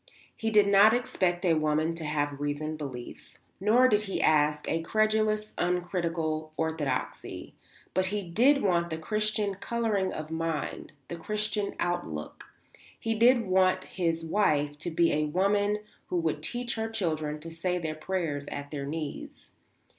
He did not expect a woman to have reasoned beliefs, nor did he ask a credulous, uncritical orthodoxy; but he did want the Christian colouring of mind, the Christian outlook; he did want his wife to be a woman who would teach her children to say their prayers at her knees.